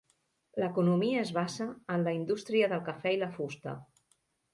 L'economia es basa en la indústria del cafè i la fusta.